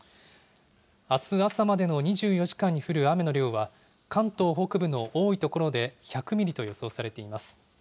あす朝までの２４時間に降る雨の量は、関東北部の多い所で１００ミリと予想されています。